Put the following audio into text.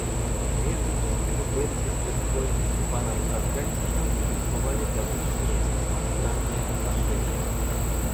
Между княгиней Бетси Тверской и Степаном Аркадьичем существовали давнишние, весьма странные отношения.